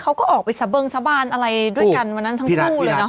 เขาก็ออกไปสะบงสะบานอะไรด้วยกันวันนั้นทั้งคู่เลยเนาะ